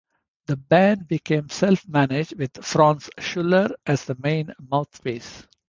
The band became self-managed with Franz Schuller as the main "mouthpiece".